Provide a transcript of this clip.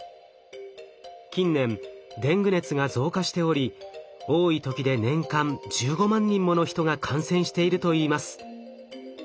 近年デング熱が増加しており多い時で年間１５万人もの人が感染しているといいます。